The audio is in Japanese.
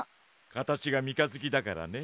形が三日月だからね。